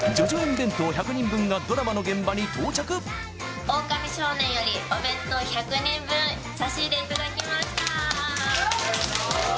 弁当１００人分がドラマの現場に到着「オオカミ少年」よりお弁当１００人分差し入れいただきました！